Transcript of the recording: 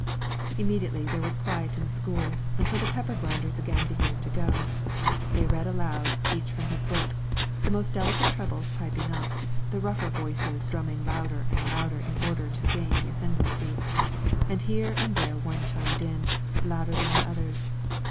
Immediately there was quiet in the school, until the pepper grinders again began to go; they read aloud, each from his book; the most delicate trebles piped up, the rougher voices drumming louder and louder in order to gain the ascendency, and here and there one chimed in, louder than the others.